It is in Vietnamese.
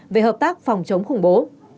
về hợp tác phòng chống khủng bố